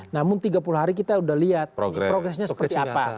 namun tiga puluh hari kita sudah lihat progresnya seperti apa